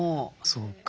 そうか。